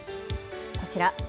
こちら。